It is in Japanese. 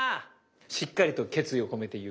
しっかりと決意を込めて言う。